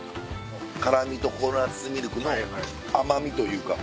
辛みとココナツミルクの甘みというか。